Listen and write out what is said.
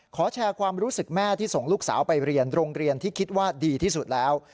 แชร์ความรู้สึกแม่ที่ส่งลูกสาวไปเรียนโรงเรียนที่คิดว่าดีที่สุดแล้ว